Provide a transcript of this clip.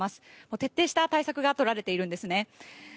徹底した対策が取られているんですね。